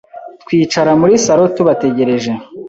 twicara muri salo tubategereje ,